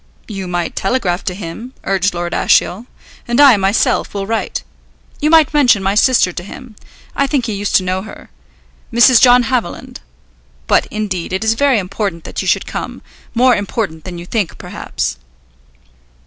"You might telegraph to him," urged Lord Ashiel. "And I, myself, will write. You might mention my sister to him. I think he used to know her. Mrs. John Haviland. But, indeed, it is very important that you should come, more important than you think, perhaps."